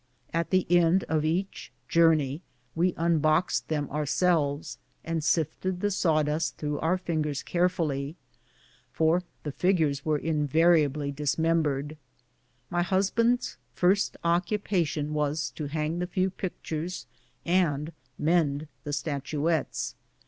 At the end of each journey we unboxed them ourselves, and sifted the sawdust through our fingers carefully, for the figures were invariably dismembered. My husband's first occupation was to hang the few pictures and mend the statuettes.